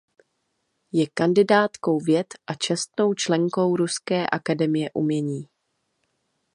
Je kandidátkou věd a čestnou členkou Ruské akademie umění.